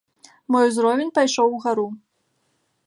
Мой узровень пайшоў угару.